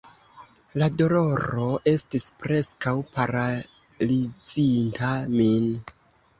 La doloro estis preskaŭ paralizinta min.